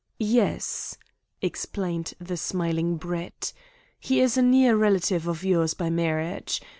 "Yes," explained the smiling Brett, "he is a near relative of yours by marriage.